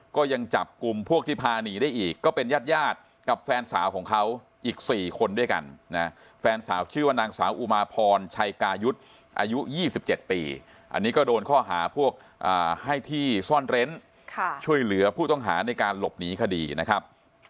ก็ยังจับกลุ่มพวกที่พาหนีได้อีกก็เป็นญาติญาติกับแฟนสาวของเขาอีก๔คนด้วยกันนะแฟนสาวชื่อว่านางสาวอุมาพรชัยกายุทธ์อายุ๒๗ปีอันนี้ก็โดนข้อหาพวกให้ที่ซ่อนเร้นช่วยเหลือผู้ต้องหาในการหลบหนีคดีนะครับ